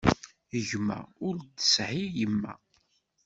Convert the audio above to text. Gma ur d-tesɛi yemma.